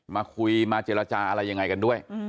มาคุยมาเจรจาอะไรยังไงกันด้วย